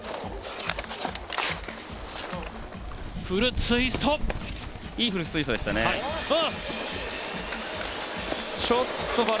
フルツイスト。